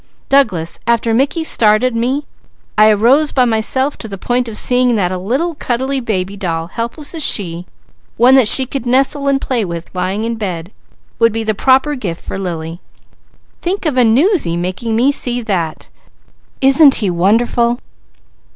Douglas, after Mickey started me I arose by myself to the point of seeing that a little cuddly baby doll, helpless as she, one that she could nestle, and play with lying in bed would be the proper gift for Lily. Think of a 'newsy' making me see that! Isn't he wonderful?"